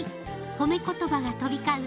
ほめ言葉が飛び交う